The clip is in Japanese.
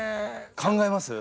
考えます？